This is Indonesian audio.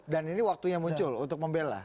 dan ini waktunya muncul untuk membela